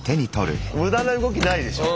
無駄な動きないでしょ。